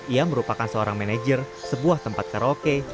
ia merupakan seorang manajer sebuah tempat karaoke